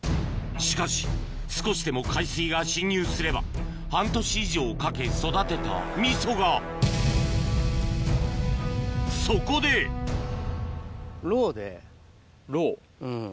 しかし少しでも海水が浸入すれば半年以上かけ育てた味噌がそこでうん。